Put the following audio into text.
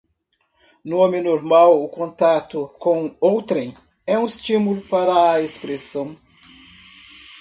no homem normal o contacto com outrem é um estímulo para a expressão